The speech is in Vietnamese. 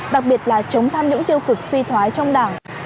đặc biệt là chống tham nhũng tiêu cực suy thoái trong đảng